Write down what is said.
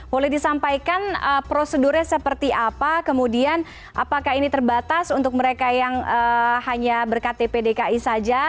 boleh disampaikan prosedurnya seperti apa kemudian apakah ini terbatas untuk mereka yang hanya berktp dki saja